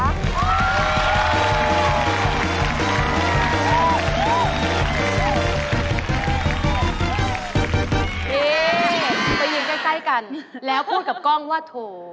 นี่ไปยืนใกล้กันแล้วพูดกับกล้องว่าโถ